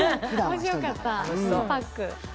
面白かった、パック。